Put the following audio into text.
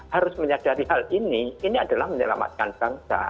harus menyadari hal ini ini adalah menyelamatkan bangsa